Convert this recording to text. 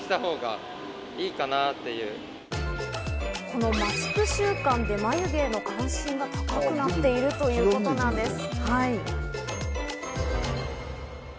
このマスク習慣で眉毛への関心が高くなっているということなんです。